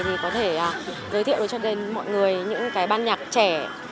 thì có thể giới thiệu cho mọi người những ban nhạc trẻ